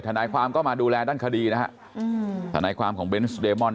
ทนายความก็มาดูแลด้านคดีนะฮะทนายความของเบนส์เดมอน